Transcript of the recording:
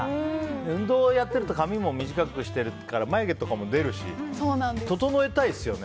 運動やってると髪も短くしてるから眉毛とかも出るし整えたいですよね。